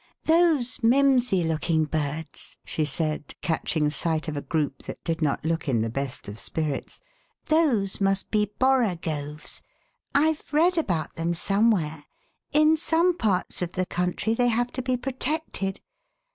Those mimsy looking birds," she said, catching sight of a group that did not look in the best of spirits, those must be Borogoves. IVe read about them somewhere ; in some parts of the country they have to be protected.